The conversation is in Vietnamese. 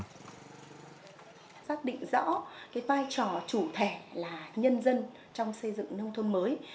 giác định rõ vai trò chủ thể là nhân dân trong xây dựng nông thôn mới